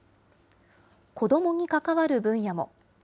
子どもに関わる分野も。